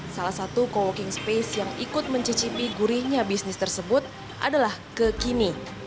salah satu co working space yang ikut mencicipi gurihnya bisnis tersebut adalah kekini